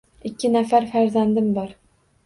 Ikki nafar farzandim bor.